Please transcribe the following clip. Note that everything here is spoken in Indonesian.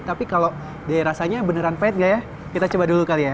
tapi kalau dari rasanya beneran pahit gak ya kita coba dulu kali ya